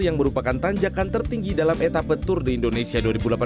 yang merupakan tanjakan tertinggi dalam etapa tour de indonesia dua ribu delapan belas